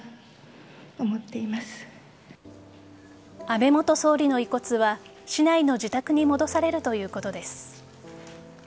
安倍元総理の遺骨は市内の自宅に戻されるということです。